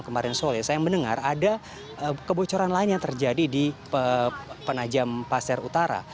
kemarin sore saya mendengar ada kebocoran lain yang terjadi di penajam pasir utara